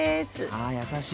あ優しい。